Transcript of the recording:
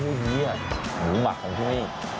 หอมต้นเยอะหมูหมักของที่นี่